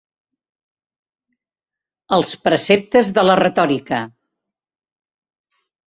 Els preceptes de la retòrica.